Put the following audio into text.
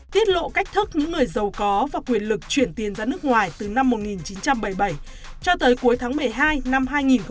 tiết lộ cách thức những người giàu có và quyền lực chuyển tiền ra nước ngoài từ năm một nghìn chín trăm bảy mươi bảy cho tới cuối tháng một mươi hai năm hai nghìn một mươi bảy